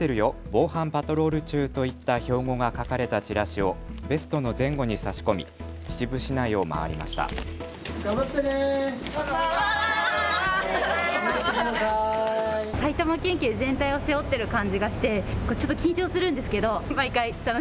防犯パトロール中といった標語が書かれたチラシをベストの前後に差し込み秩父市内を回りました。